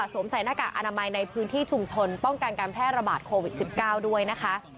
สวมใส่หน้ากากอนามัยในพื้นที่ชุมชนป้องกันการแพร่ระบาดโควิด๑๙ด้วยนะคะ